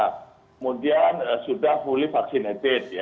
kemudian sudah fully vaccinated